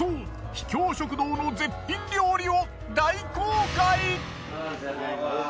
秘境食堂の絶品料理を大公開！